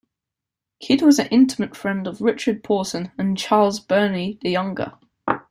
Kidd was an intimate friend of Richard Porson and Charles Burney the younger.